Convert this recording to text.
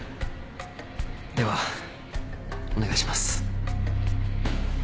ではお願いします。